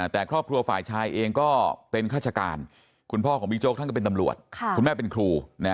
แต่ครอบครัวฝ่ายชายเองก็เป็นข้าราชการคุณพ่อของบิ๊กโจ๊กท่านก็เป็นตำรวจคุณแม่เป็นครู